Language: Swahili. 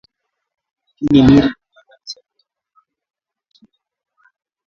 Lakini miri fundaka asema kurima pa muchanga ni mubaya